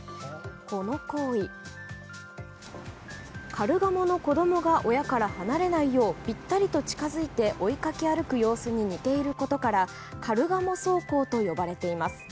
この行為、カルガモの子供が親から離れないようぴったりと近づいて追いかけ歩く様子に似ていることからカルガモ走行と呼ばれています。